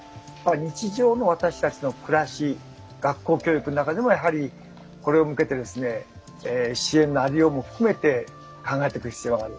日常の私たちの暮らし学校教育の中でもやはりこれに向けて支援の在りようも含めて考えていく必要がある。